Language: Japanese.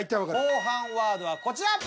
後半ワードはこちら。